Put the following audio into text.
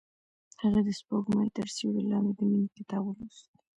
هغې د سپوږمۍ تر سیوري لاندې د مینې کتاب ولوست.